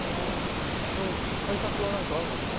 これ対策は何かあるんですか？